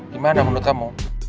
gimana menurut kamu